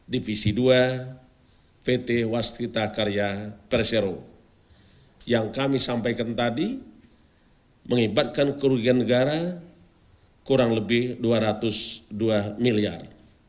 divisi dua pt wastrita karya persero yang kami sampaikan tadi mengibatkan kerugian negara kurang lebih dua ratus dua miliar